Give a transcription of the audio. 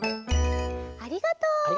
ありがとう。